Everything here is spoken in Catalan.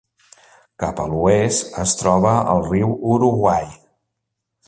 Cap a l'oest es troba el riu Uruguai.